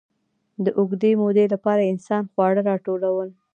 د اوږدې مودې لپاره انسان خواړه راټولول.